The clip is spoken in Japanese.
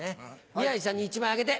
宮治さんに１枚あげて。